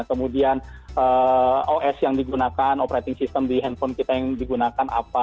kemudian os yang digunakan operating system di handphone kita yang digunakan apa